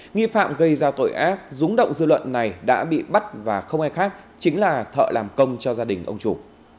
nghi phạm gây ra tội ác rúng động dư luận này đã bị bắt và không ai khác chính là thợ làm công cho gia đình ông chủ